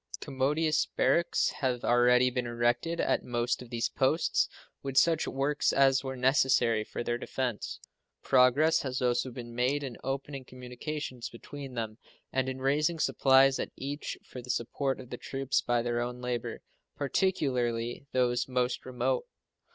Commodious barracks have already been erected at most of these posts, with such works as were necessary for their defense. Progress has also been made in opening communications between them and in raising supplies at each for the support of the troops by their own labor, particularly those most remote.